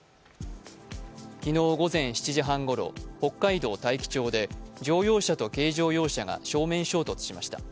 昨日午前７時半ごろ、北海道大樹町で乗用車と軽乗用車が正面衝突しました。